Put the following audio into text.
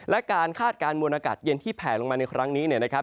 และการคาดการณ์มวลอากาศเย็นที่แผลลงมาในครั้งนี้เนี่ยนะครับ